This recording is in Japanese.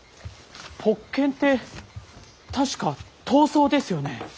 ポッケンって確か痘瘡ですよね？